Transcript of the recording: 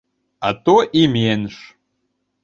А то і менш.